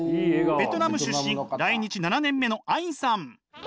ベトナム出身来日７年目のアインさん。